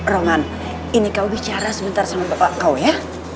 roman ini kau bicara sebentar sama bapak kau ya